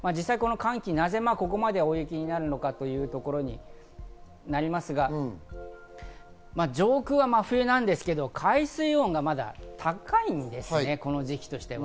なぜここまで大雪になるのかというところですが、上空は真冬なんですけど、海水温がまだ高いんですね、この時期としては。